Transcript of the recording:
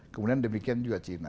kemudian demikian juga cina